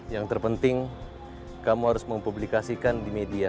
yang terpenting kamu harus mempublikasikan di media